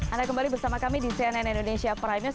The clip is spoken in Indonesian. anda kembali bersama kami di cnn indonesia prime news